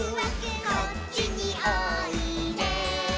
「こっちにおいで」